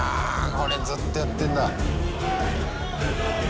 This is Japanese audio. これずっとやってんだ。